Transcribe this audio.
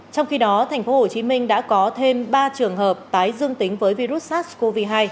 trong khi đó tp hcm đã có thêm ba trường hợp tái dương tính với virus sars cov hai